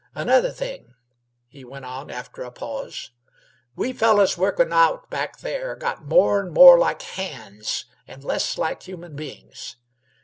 Another thing," he went on, after a pause "we fellers workin' out back there got more 'n' more like hands, an' less like human beings.